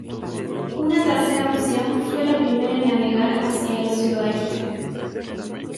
Una tercera opción fue la primera en navegar hacia el suroeste.